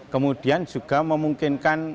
kemudian juga memungkinkan